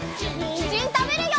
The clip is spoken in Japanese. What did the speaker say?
にんじんたべるよ！